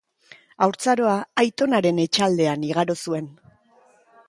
Haurtzaroa aitonaren etxaldean igaro zuen.